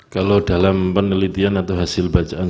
kalau dalam penelitian atau hasil bacaan